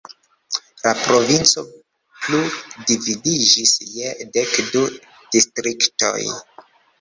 La provinco plu dividiĝis je dek du distriktoj.